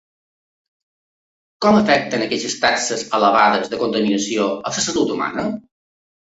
Com afecten aquestes taxes elevades de contaminació a la salut humana?